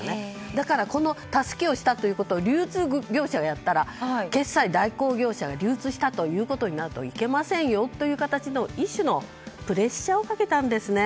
だから、この助けをしたということを流通業者がやったら決済代行業者が流通させたということになるといけませんよという一種のプレッシャーをかけたんですね。